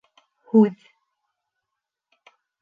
Һүҙ